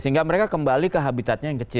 sehingga mereka kembali ke habitatnya yang kecil